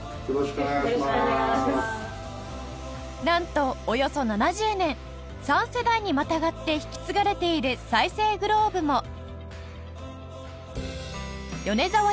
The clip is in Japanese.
なんとおよそ７０年３世代にまたがって引き継がれている再生グローブも